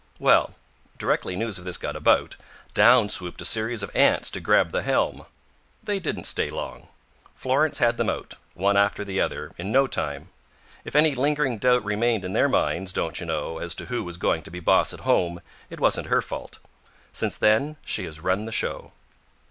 Well, directly news of this got about, down swooped a series of aunts to grab the helm. They didn't stay long. Florence had them out, one after the other, in no time. If any lingering doubt remained in their minds, don't you know, as to who was going to be boss at home, it wasn't her fault. Since then she has run the show.